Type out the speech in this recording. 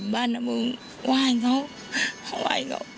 บ้านน้องมึงไหว้เค้า